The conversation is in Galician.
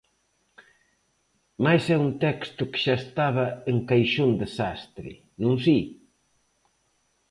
Mais é un texto que xa estaba en 'Caixón desastre', non si?